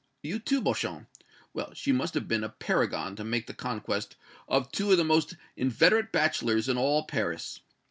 You, too, Beauchamp. Well, she must have been a paragon to make the conquest of two of the most inveterate bachelors in all Paris!